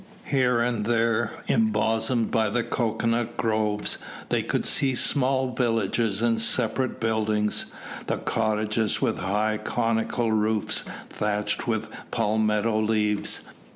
Here and there, embosomed by the cocoa nut groves, they could see small villages and separate buildings, the cottages with high conical roofs, thatched with palmetto leaves.